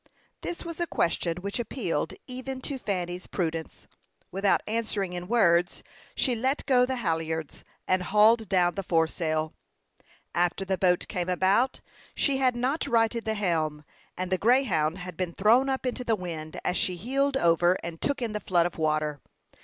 This was a question which appealed even to Fanny's prudence. Without answering in words, she let go the halliards, and hauled down the foresail. After the boat came about, she had not righted the helm, and the Greyhound had been thrown up into the wind as she heeled over and took in the flood of water.